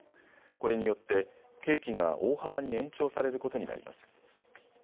これによって刑期が大幅に延長されることになります。